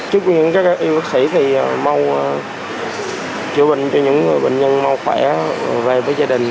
chúc những các y bác sĩ thì chữa bệnh cho những bệnh nhân mau khỏe về với gia đình